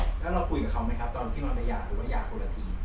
แล้วเราคุยกับเขาไหมครับตอนที่นอนในหยาหรือหยาคนละที